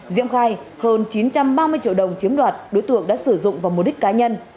diễm khai hơn chín trăm ba mươi triệu đồng chiếm đoạt đối tượng đã sử dụng vào mục đích cá nhân